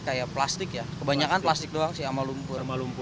kayak plastik ya kebanyakan plastik doang sih sama lumpur lumpur